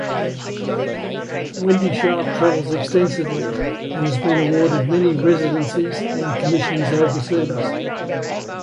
Wendy Sharpe travels extensively and has been awarded many residencies and commissions overseas.